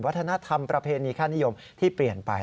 วัฒนธรรมประเพณีค่านิยมที่เปลี่ยนไป